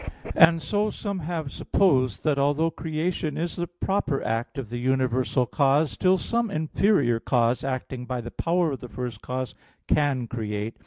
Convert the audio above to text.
And so some have supposed that although creation is the proper act of the universal cause, still some inferior cause acting by the power of the first cause, can create.